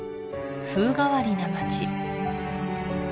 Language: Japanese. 風変わりな町